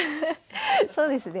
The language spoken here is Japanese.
そうですね。